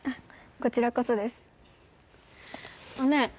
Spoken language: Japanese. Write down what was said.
こちらこそですあっねえ